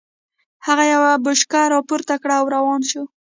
هغه يوه بوشکه را پورته کړه او روان شو.